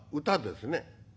「歌ですね」。